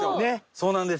そうなんです。